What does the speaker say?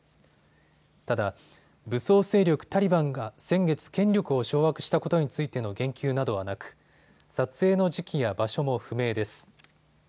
ただ武装勢力タリバンが先月、権力を掌握したことについての言及などはなく撮影の時期や場所も不明です。